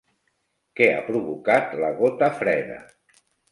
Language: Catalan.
Què ha provocat la gota freda?